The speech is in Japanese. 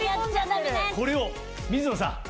これを水野さん！